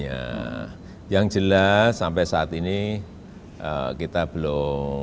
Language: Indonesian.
jadi itu bisa jadi kode keras